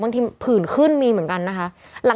ผื่นขึ้นมีเหมือนกันนะคะ